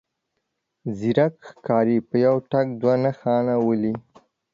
ځيرک ښکاري په يوه ټک دوه نښانه ولي.